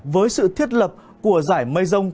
với sự thiết lập của giải mây rông